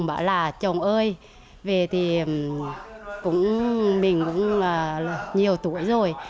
bảo là chồng ơi về thì mình cũng nhiều tuổi rồi